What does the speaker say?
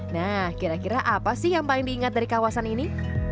nah kira kira apa sih yang paling diingat dari kawasan ini